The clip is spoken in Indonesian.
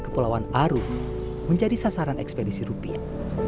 kepulauan arun menjadi sasaran ekspedisi rupiah